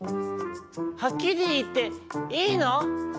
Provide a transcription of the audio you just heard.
はっきりいっていいの？